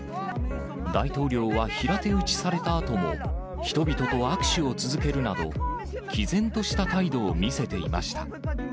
大統領は平手打ちされたあとも、人々と握手を続けるなど、きぜんとした態度を見せていました。